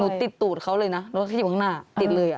ติดตูดเขาเลยนะรถที่อยู่ข้างหน้าติดเลย